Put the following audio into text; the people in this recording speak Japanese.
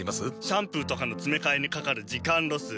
シャンプーとかのつめかえにかかる時間ロス。